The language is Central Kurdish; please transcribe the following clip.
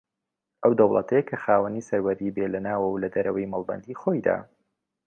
ئەو دەوڵەتەیە کە خاوەنی سەروەری بێ لە ناوەوە و لە دەرەوەی مەڵبەندی خۆیدا